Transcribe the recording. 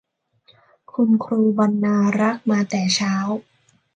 คุณครูบรรณารักษ์มาแต่เช้า